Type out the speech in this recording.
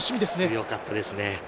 よかったですね。